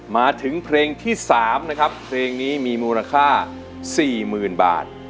มาถึงเพลงที่๓นะครับเพลงนี้มีมูลค่า๔๐๐๐บาท